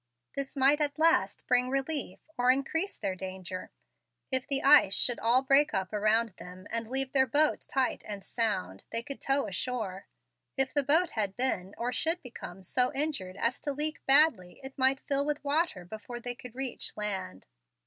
This might at last bring relief, or increase their danger. If the ice should all break up around them and leave their boat tight and sound, they could tow ashore. If the boat had been or should become so injured as to leak badly, it might fill with water before they could reach land.